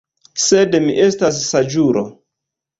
Sed mi estas saĝulo.